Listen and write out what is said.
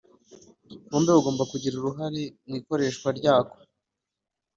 bombi bagomba kugira uruhare mu ikoreshwa ryako